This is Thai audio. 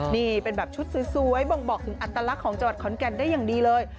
นี่เป็นแบบชุดสวยบ่งบอกถึงอัตลักษณ์ของจังหวัดขอนแก่นได้อย่างดีเลย